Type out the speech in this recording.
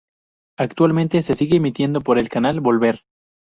Actualmente se sigue emitiendo por el canal Volver.